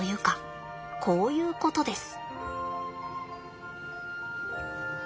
こういうことです。